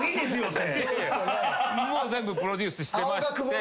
もう全部プロデュースしてまして。